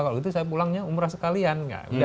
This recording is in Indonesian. kalau gitu saya pulangnya umrah sekalian